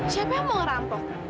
siapa yang mau ngerampok